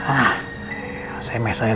ah saya mesra ya dak